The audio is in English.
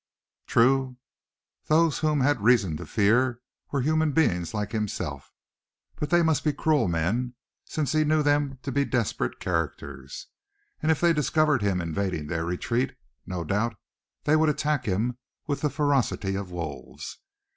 True, those whom he had reason to fear, were human beings like himself; but they must be cruel men, since he knew them to be desperate characters; and if they discovered him invading their retreat, no doubt they would attack him with the ferocity of wolves.